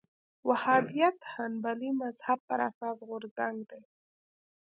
وهابیت حنبلي مذهب پر اساس غورځنګ دی